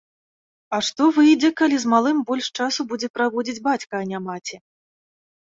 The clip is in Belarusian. А што выйдзе, калі з малым больш часу будзе праводзіць бацька, а не маці?